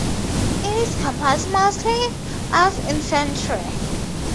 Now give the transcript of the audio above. It is composed mostly of infantry.